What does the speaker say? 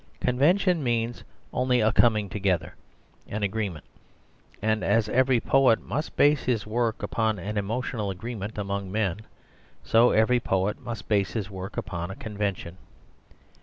Convention means only a coming together, an agreement; and as every poet must base his work upon an emotional agreement among men, so every poet must base his work upon a convention.